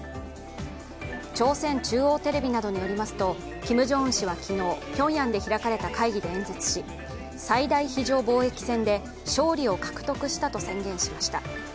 朝鮮中央テレビなどによりますとキム・ジョンウン氏は昨日、平壌で開かれた会議で演説し最大非常防疫戦で勝利を獲得したと宣言しました。